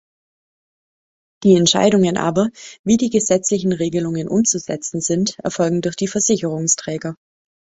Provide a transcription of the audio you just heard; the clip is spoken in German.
Die Entscheidungen aber, wie die gesetzlichen Regelungen umzusetzen sind, erfolgen durch die Versicherungsträger.